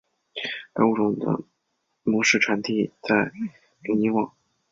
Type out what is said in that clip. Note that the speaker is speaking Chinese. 该物种的模式产地在留尼汪。